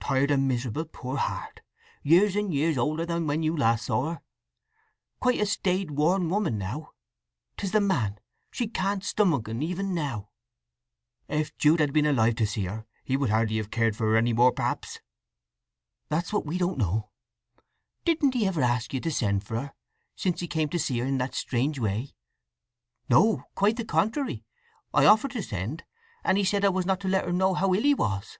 "Tired and miserable, poor heart. Years and years older than when you saw her last. Quite a staid, worn woman now. 'Tis the man—she can't stomach un, even now!" "If Jude had been alive to see her, he would hardly have cared for her any more, perhaps." "That's what we don't know… Didn't he ever ask you to send for her, since he came to see her in that strange way?" "No. Quite the contrary. I offered to send, and he said I was not to let her know how ill he was."